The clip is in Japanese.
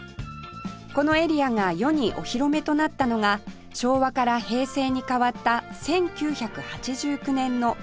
このエリアが世にお披露目となったのが昭和から平成に変わった１９８９年の横浜博覧会